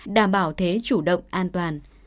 đảm bảo thế chủ động an toàn